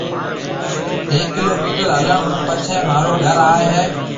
هيَڪ ڪِلو ميٽر هلڻ هون پڇيَ مهارو گھر آئي هيَ۔